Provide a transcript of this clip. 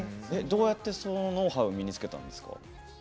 どうやって、そのノウハウ身につけたんですか？